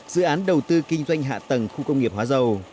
dự án đầu tư kinh doanh hạ tầng khu công nghiệp hóa dầu